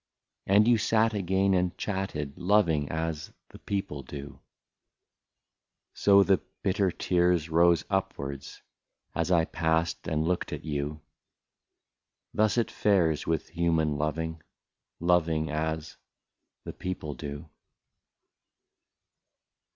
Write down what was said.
And you sat again and chatted, — Loving as the people do ; So the bitter tears rose upwards, As I passed and looked at you ; Thus it fares with human loving, — Loving as the people do.